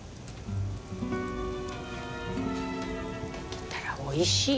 出来たらおいしい。